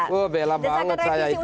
wah bela banget saya itu